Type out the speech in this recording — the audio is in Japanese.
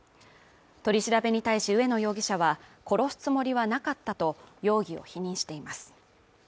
取り調べに対し上野容疑者は殺すつもりはなかったと容疑を否認しています